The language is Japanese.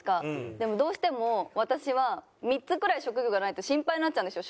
でもどうしても私は３つぐらい職業がないと心配になっちゃうんですよ